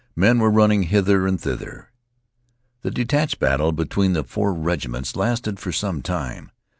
Men were running hither and thither. The detached battle between the four regiments lasted for some time.